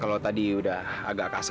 kalau tadi udah agak kasih